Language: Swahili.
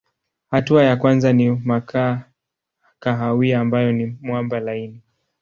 Hatua ya kwanza ni makaa kahawia ambayo ni mwamba laini.